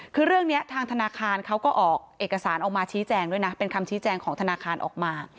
คือเรื่องนี้ทางธนาคารเขาก็ออกเอกสารออกมาชี้แจงด้วยนะเป็นคำชี้แจงของธนาคารออกมา